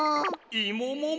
「いももも」？